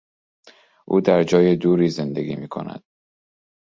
او در جای دوری زندگی میکند.